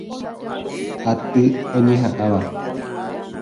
Aty oñeha'ãva.